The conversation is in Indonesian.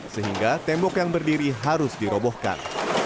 sehingga tembok yang berdiri harus dirobohkan